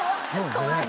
怖い。